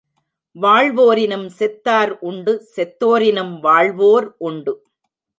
வாழ்வோரினும் செத்தார் உண்டு செத்தோரினும் வாழ்வோர் உண்டு.